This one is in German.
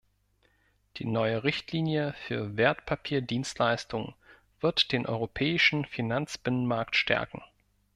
Die neue Richtlinie für Wertpapierdienstleistungen wird den europäischen Finanzbinnenmarkt stärken.